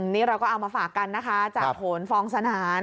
นี่เราก็เอามาฝากกันนะคะจากโหนฟองสนาน